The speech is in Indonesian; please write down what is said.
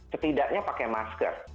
setidaknya pakai masker